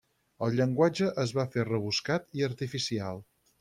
El llenguatge es va fer rebuscat i artificial.